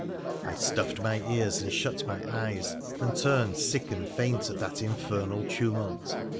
I stuffed my ears and shut my eyes, and turned sick and faint at that infernal tumult.